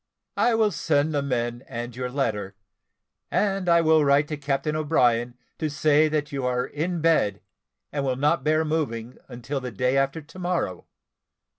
I will send the men and your letter, and I will write to Captain O'Brien to say that you are in bed, and will not bear moving until the day after to morrow.